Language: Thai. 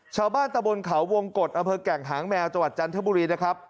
ชาวบ้านตะบลเขาวงกฎอเผลแก่งหางแมวจันทบุรีนะครับ